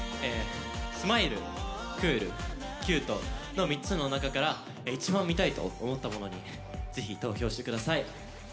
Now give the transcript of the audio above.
「ｓｍｉｌｅ」「ｃｏｏｌ」「ｃｕｔｅ」の３つの中から一番見たいと思ったものにぜひ投票してください。